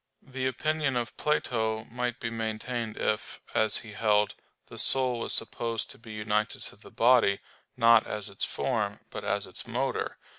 The opinion of Plato might be maintained if, as he held, the soul was supposed to be united to the body, not as its form, but as its motor.